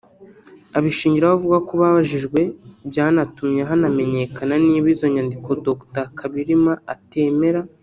Abishingiraho avuga ko babajijwe byanatuma hanamenyekana niba izo nyandiko Dr Kabirima atemera